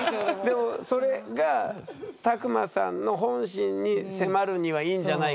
でもそれが卓馬さんの本心に迫るにはいいんじゃないかってことですよね？